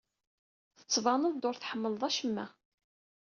Tettbaneḍ-d ur tḥemmleḍ acemma.